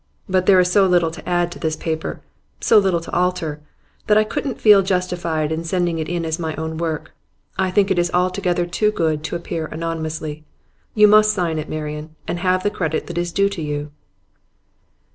But there is so little to add to this paper so little to alter that I couldn't feel justified in sending it as my own work. I think it is altogether too good to appear anonymously. You must sign it, Marian, and have the credit that is due to you.